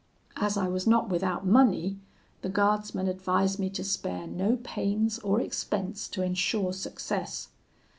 As I was not without money, the guardsman advised me to spare no pains or expense to ensure success.